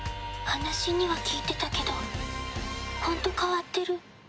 話には聞いてたけど本当変わってる。